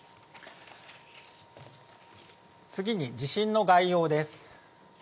次に地震の概要です。